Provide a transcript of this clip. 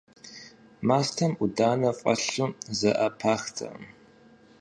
Мастэм Ӏуданэ фӀэлъу зэӀэпахтэкъым.